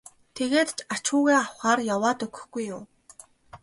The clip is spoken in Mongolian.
тэгээд ач хүүгээ авахаар яваад өгөхгүй юу.